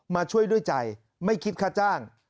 มาช่วยด้วยใจไม่คิดค่าจ้าง